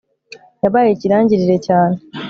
yabaye ikirangirire cyane